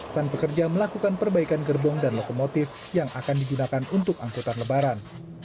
tan pekerja melakukan perbaikan gerbong dan lokomotif yang akan digunakan untuk angkutan lebaran